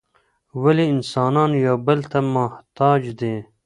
ولي انسانان یو بل ته محتاج دي؟